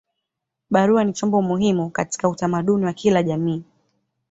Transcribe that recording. Barua ni chombo muhimu katika utamaduni wa kila jamii.